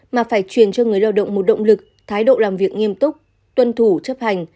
mà phải truyền cho người lao động một động lực thái độ làm việc nghiêm túc tuân thủ chấp hành